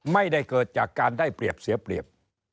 ไม่ได้เกิดจากการได้เปรียบเสียเปรียบ